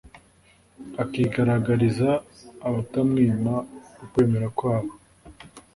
akigaragariza abatamwima ukwemera kwabo